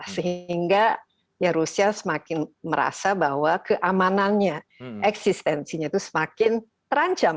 sehingga ya rusia semakin merasa bahwa keamanannya eksistensinya itu semakin terancam